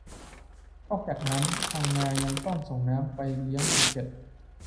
นอกจากนั้น พังงา ยังต้องส่งน้ำไปเลี้ยงภูเก็ต